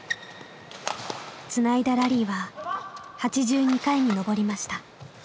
つないだラリーは８２回に上りました。